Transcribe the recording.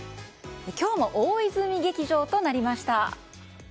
今日も大泉劇場となりました。